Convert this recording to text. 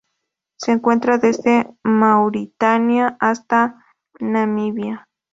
Se encuentra desde Mauritania hasta Namibia.